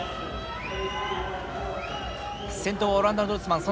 先頭はオランダのドルスマン